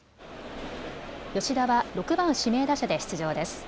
吉田は６番・指名打者で出場です。